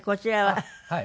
はい。